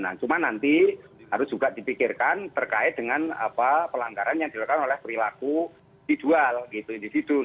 nah cuma nanti harus juga dipikirkan terkait dengan pelanggaran yang dilakukan oleh perilaku individual